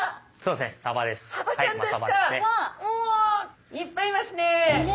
うわいっぱいいますね。